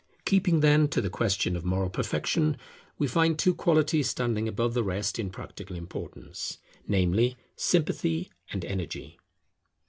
Keeping then to the question of moral perfection, we find two qualities standing above the rest in practical importance, namely, Sympathy and Energy.